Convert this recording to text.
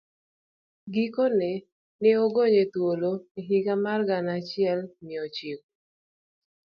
Gikone, ne ogonye thuolo e higa mar gana achiel mia ochiko